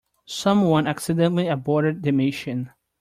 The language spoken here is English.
Someone accidentally aborted the mission.